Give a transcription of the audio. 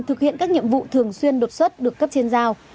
thực hiện các nhiệm vụ thường xuyên đột xuất được cấp trên giao